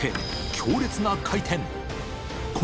強烈な回転磴